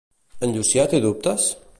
En Llucià té dubtes?